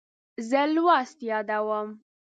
زه لوست یادوم.